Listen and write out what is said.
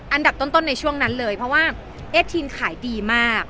อันดับต้นในช่วงนั้นเลยเพราะว่าเอสทีนขายดีมาก